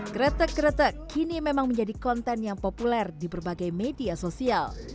kretek kretek kini memang menjadi konten yang populer di berbagai media sosial